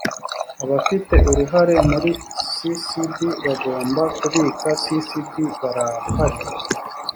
abafite uruhare muri csd bagomba kubika csd barahari